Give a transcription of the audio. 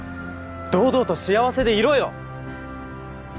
堂々と幸せでいろよ！